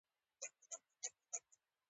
ساه يې آرامه شوه.